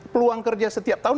peluang kerja setiap tahun